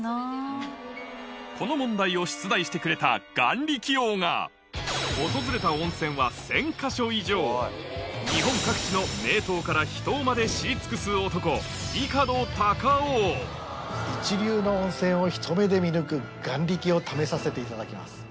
この問題を出題してくれた眼力王が日本各地の名湯から秘湯まで知り尽くす男一流の温泉をひと目で見抜く眼力を試させていただきます。